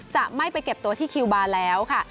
จะไม่ไปเก็บตัวที่คิวบาร์แล้วค่ะ